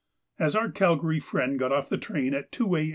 As our Calgary friend got off the train at 2 A.